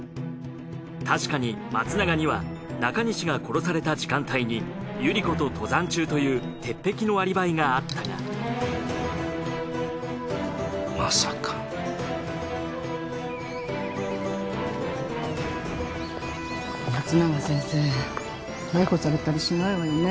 確かに松永には中西が殺された時間帯にゆり子と登山中という鉄壁のアリバイがあったがまさか松永先生逮捕されたりしないわよね？